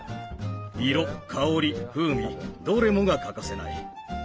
色香り風味どれもが欠かせない。